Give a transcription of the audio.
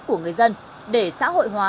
của người dân để xã hội hóa